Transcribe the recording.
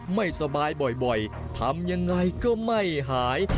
ไม่สบายบ่อยทำยังไงก็ไม่หาย